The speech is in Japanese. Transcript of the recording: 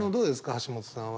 橋本さんは。